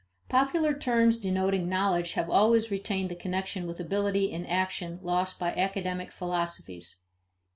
Popular terms denoting knowledge have always retained the connection with ability in action lost by academic philosophies.